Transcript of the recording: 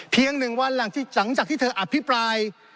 ๑วันหลังจากที่เธออภิปราย